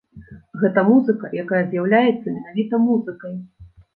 Гэта музыка, якая з'яўляецца менавіта музыкай.